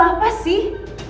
ngadu apa sih